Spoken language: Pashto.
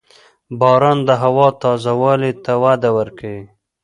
• باران د هوا تازه والي ته وده ورکوي.